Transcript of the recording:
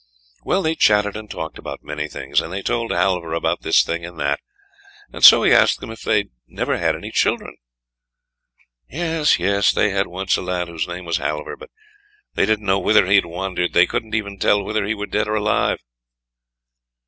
Well, they chattered and talked about many things; and they told Halvor about this thing and that; and so he asked them if they had never had any children. Yes, yes, they had once a lad whose name was Halvor, but they didn't know whither he had wandered; they couldn't even tell whether he were dead or alive.